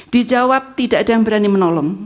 dijawab tidak ada yang berani menolong